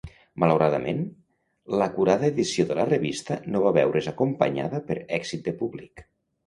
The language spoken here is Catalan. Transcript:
Malauradament, l'acurada edició de la revista no va veure's acompanyada per èxit de públic.